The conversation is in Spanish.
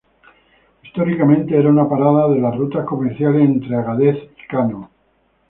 Históricamente era una parada de las rutas comerciales entre Agadez y Kano.